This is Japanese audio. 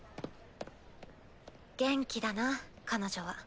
元気だな彼女は。